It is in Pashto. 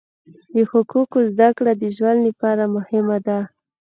د حقوقو زده کړه د ژوند لپاره مهمه ده.